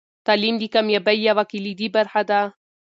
تعلیم د کامیابۍ یوه کلیدي برخه ده.